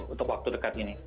untuk waktu dekat ini